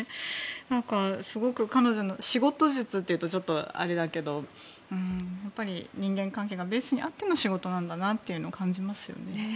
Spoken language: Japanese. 何かすごく彼女の仕事術というとちょっとあれだけどやっぱり人間関係がベースにあっての仕事なんだなということを感じますよね。